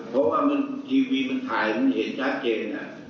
เพราะว่ามันทีวีพยายามถ่ายถึงเห็นรู้จัง